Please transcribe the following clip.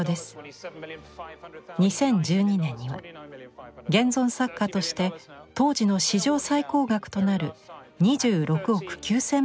２０１２年には現存作家として当時の史上最高額となる２６億９，０００万円を記録しました。